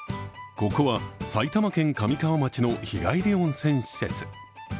ここは埼玉県神川町の日帰り温泉施設。